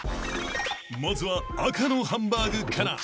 ［まずは赤のハンバーグから］